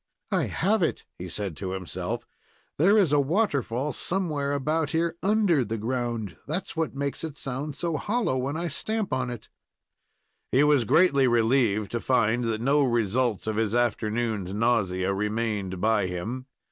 "I have it!" he said to himself; "there is a waterfall somewhere about here under the ground. That's what makes it sound so hollow when I stamp on it." He was greatly relieved to find that no results of his afternoon's nausea remained by him.